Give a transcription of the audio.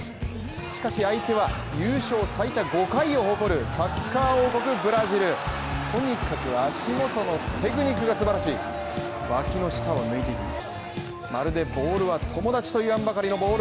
しかし相手は優勝最多５回を誇るサッカー王国ブラジルとにかく足元のテクニックが素晴らしい脇の下を抜いています。